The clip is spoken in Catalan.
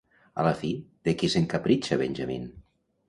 A la fi, de qui s'encapritxa Benjamin?